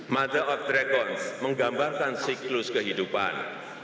mother of dragons menggambarkan siklus kehidupan